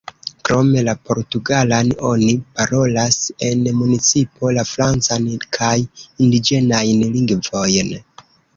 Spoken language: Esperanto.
Krom la portugalan, oni parolas en municipo la francan kaj indiĝenajn lingvojn.